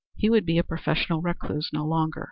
He would be a professional recluse no longer.